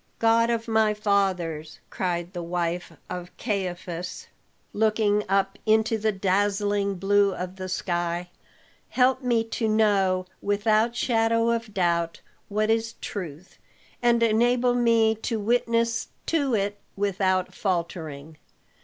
"God of my fathers!" cried the wife of Caiaphas, looking up into the dazzling blue of the sky. "Help me to know without shadow of doubt what is truth; and enable me to witness to it without faltering."